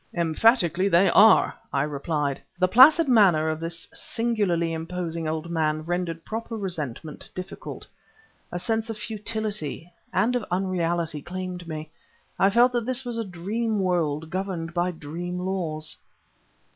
"Emphatically they are!" I replied. The placid manner of this singularly imposing old man rendered proper resentment difficult. A sense of futility, and of unreality, claimed me; I felt that this was a dream world, governed by dream laws.